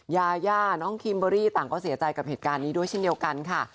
ยาย่าน้องคิมเบอรี่ต่างก็เสียใจกับเหตุการณ์นี้ด้วยเช่นเดียวกันค่ะ